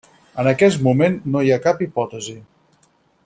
En aquest moment no hi ha cap hipòtesi.